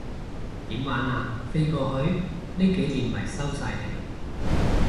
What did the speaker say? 點玩啊，飛過去？呢幾年咪收晒皮